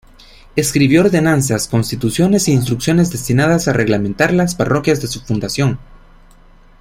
Escribió ordenanzas, constituciones e instrucciones destinadas a reglamentar las parroquias de su fundación.